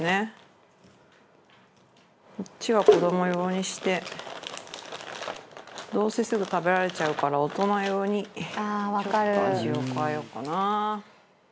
こっちは子ども用にしてどうせすぐ食べられちゃうから大人用にちょっと味を変えようかな。